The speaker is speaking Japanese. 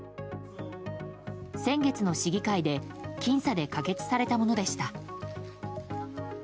先月の市議会で僅差で可決されたものでした。